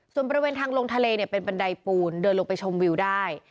ส่วนบริเวณทางลงทะเลเป็นบันไดปูนเดินลงไปชมวิวได้